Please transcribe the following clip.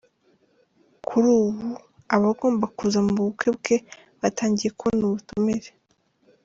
Kuri ubu abagomba kuza mu bukwe bwe batangiye kubona ubutumire.